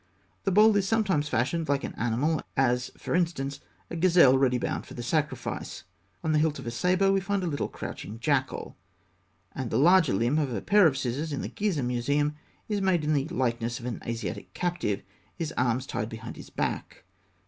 The bowl is sometimes fashioned like an animal as, for instance, a gazelle ready bound for the sacrifice (fig. 278). On the hilt of a sabre we find a little crouching jackal; and the larger limb of a pair of scissors in the Gizeh Museum is made in the likeness of an Asiatic captive, his arms tied behind his back.